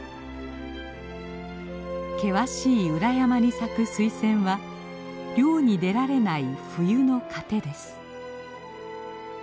険しい裏山に咲くスイセンは漁に出られない冬の糧です。